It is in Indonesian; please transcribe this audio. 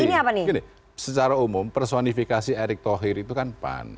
ya secara umum personifikasi erik thohir itu kan span